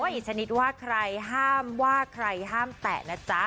อีกชนิดว่าใครห้ามว่าใครห้ามแตะนะจ๊ะ